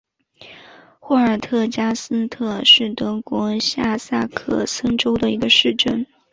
霍尔特加斯特是德国下萨克森州的一个市镇。